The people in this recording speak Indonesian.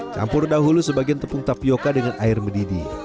campur dahulu sebagian tepung tapioca dengan air mendidih